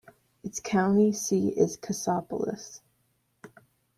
Its county seat is Cassopolis.